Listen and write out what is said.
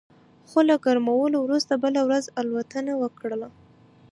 خو له ګرمولو وروسته بله ورځ الوتنه وکړه